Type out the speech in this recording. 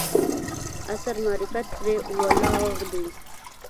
عصر معرفت پرې ولاړ دی.